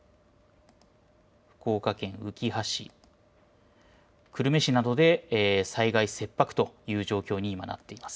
福岡県うきは市、久留米市などで災害切迫という状況に今なっています。